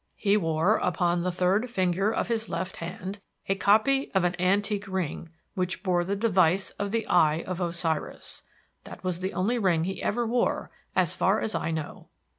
"He wore upon the third finger of his left hand a copy of an antique ring which bore the device of the Eye of Osiris. That was the only ring he ever wore as far as I know."